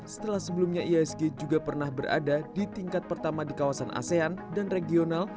setelah sebelumnya ihsg juga pernah berada di tingkat pertama di kawasan asean dan regional